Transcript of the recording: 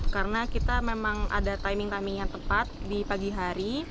karena kita memang ada timing timing yang tepat di pagi hari